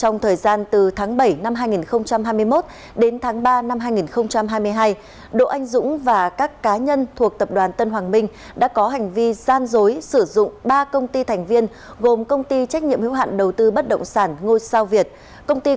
nguyễn mạnh hùng chủ tịch hội đồng quản trị công ty trách nhiệm hữu hạn đầu tư bất động sản ngôi sao việt